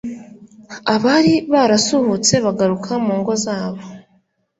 abari barasuhutse bagaruka mu ngo zabo.